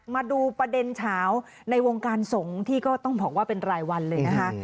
มาดูประเด็นเฉาในวงการสงฆ์ที่ก็ต้องบอกว่าเป็นรายวันเลยนะคะ